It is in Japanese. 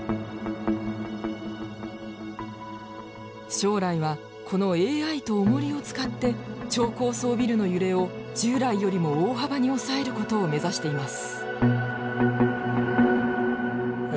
将来はこのＡＩとおもりを使って超高層ビルの揺れを従来よりも大幅に抑えることを目指しています。